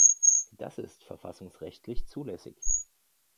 Das ist verfassungsrechtlich zulässig.